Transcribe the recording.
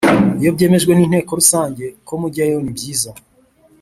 Iyo byemejwe n Inteko Rusange ko mujyayo nibyiza